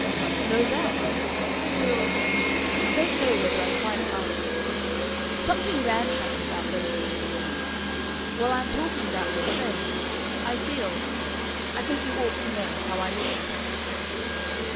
"No doubt.... Still I don't know whether I quite like Something ramshackle about those people, Vee. While I am talking about your friends, I feel I think you ought to know how I look at it."